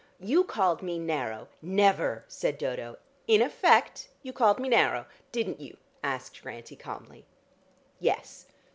You called me narrow " "Never!" said Dodo. "In effect, you called me narrow. Didn't you?" asked Grantie calmly. "Yes."